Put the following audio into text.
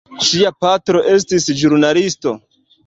Ŝia patro estis ĵurnalisto.